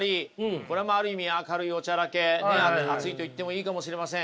これはまあある意味明るいおちゃらけ熱いといってもいいかもしれません。